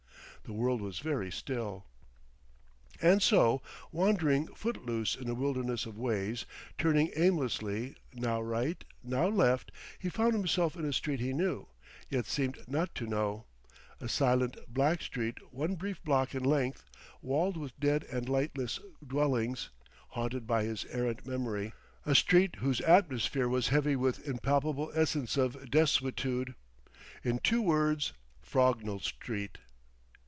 The world was very still.... And so, wandering foot loose in a wilderness of ways, turning aimlessly, now right, now left, he found himself in a street he knew, yet seemed not to know: a silent, black street one brief block in length, walled with dead and lightless dwellings, haunted by his errant memory; a street whose atmosphere was heavy with impalpable essence of desuetude; in two words, Frognall Street.